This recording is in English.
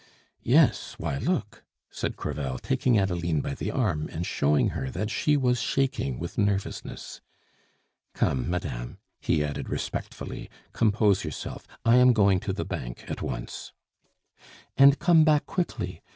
"Yes; why, look," said Crevel, taking Adeline by the arm and showing her that she was shaking with nervousness. "Come, madame," he added respectfully, "compose yourself; I am going to the Bank at once." "And come back quickly!